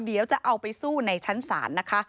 เดี๋ยวจะเอาไปสู้ในชั้นศาลนะคะ